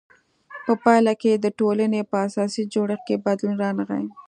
په پایله کې د ټولنې په اساسي جوړښت کې بدلون رانغی.